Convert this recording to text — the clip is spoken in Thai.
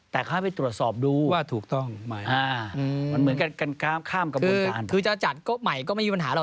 แต่เขาให้ไปตรวจสอบดูที่จะจัดก็ไม่มีปัญหาหรอก